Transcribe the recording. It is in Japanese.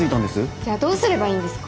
じゃあどうすればいいんですか？